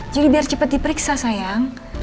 jadi biar cepat diperiksa sayang